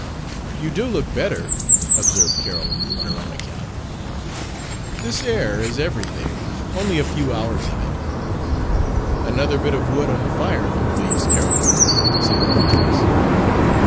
"You do look better," observed Carolyn on her own account. "This air is everything. Only a few hours of it " "Another bit of wood on the fire, if you please, Carolyn," said her patroness.